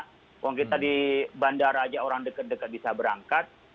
karena kalau kita di bandara saja orang dekat dekat bisa berangkat